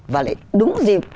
và lại đúng gì